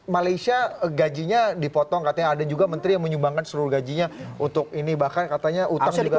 malaysia gajinya dipotong katanya ada juga menteri yang menyumbangkan seluruh gajinya untuk ini bahkan katanya utang juga